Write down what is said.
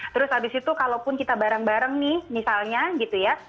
terus habis itu kalaupun kita bareng bareng nih misalnya gitu ya